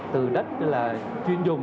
từ đất chuyên dùng